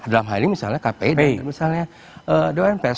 dalam hal ini misalnya kpd misalnya dewan pers